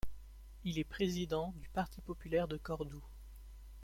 Il est président du Parti populaire de Cordoue.